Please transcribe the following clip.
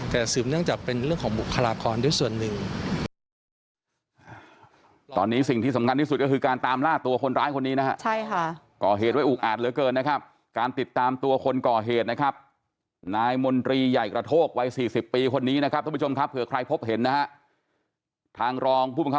แต่สืบเนื่องจากเป็นเรื่องของบุคลากรด้วยส่วนหนึ่ง